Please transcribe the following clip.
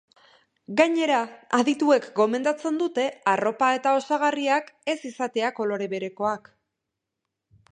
Gainera, adituek gomendatzen dute arropa eta osagarriak ez izatea kolore berekoak.